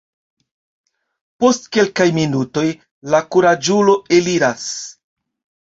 Post kelkaj minutoj la kuraĝulo eliras.